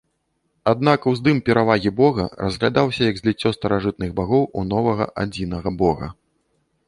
Аднак уздым перавагі бога разглядаўся як зліццё старажытных багоў у новага адзінага бога.